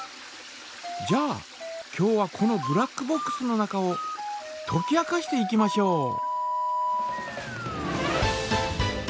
じゃあ今日はこのブラックボックスの中をとき明かしていきましょう。